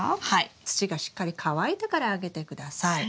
土がしっかり乾いてからあげて下さい。